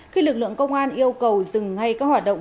khi lực lượng công an yêu cầu dừng ngay các hoạt động